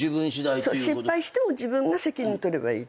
そう失敗しても自分が責任とればいいと。